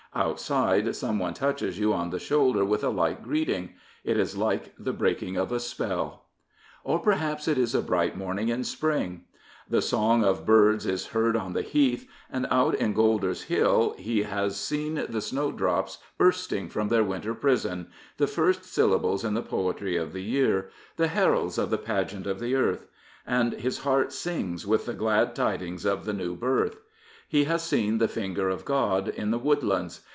Outside some one touches you on the shoulder with a light greeting. It is like the breaking of a spell. Or perhaps it is a bright morning in spring. The song of birds is heard on the heath, and out in Golder's Hill he has seen the snowdrops bursting from their winter prison — the first syllables in the poetry of the 268 Dr. Horton year, the heralds of the pageant of the earth. And his heart sings with the glad tidings of the new birth. He has seen the finger of God in the woodlands.